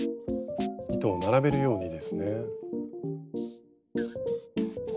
糸を並べるようにですね。